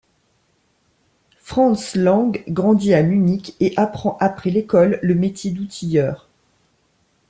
Franzl Lang grandit à Munich et apprend après l'école le métier d'outilleur.